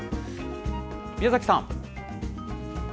宮崎さん。